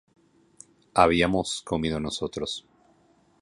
¿habíamos comido nosotros?